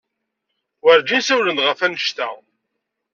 Werjin ssawlen-d ɣef wanect-a.